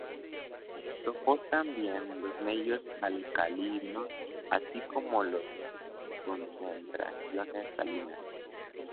Soportan bien los medios alcalinos, así como las concentraciones salinas.